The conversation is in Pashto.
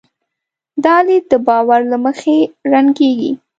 دا لید د باور له مخې رنګېږي.